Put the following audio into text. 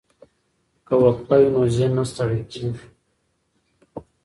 که وقفه وي نو ذهن نه ستړی کیږي.